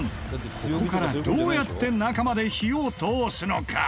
ここからどうやって中まで火を通すのか？